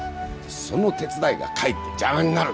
その手伝いがかえって邪魔になる。